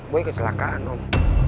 boy kecelakaan om